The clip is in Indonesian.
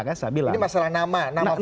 ini masalah nama